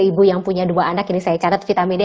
ibu yang punya dua anak ini saya catat vitamin d